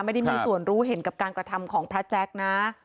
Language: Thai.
ไม่ได้มีส่วนรู้เห็นกับการกระทำของพระแจ๊คนะ